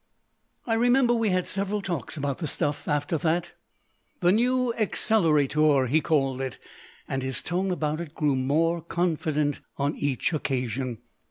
I remember we had several talks about the stuff after that. "The New Accelerator" he called it, and his tone about it grew more confident on each occasion.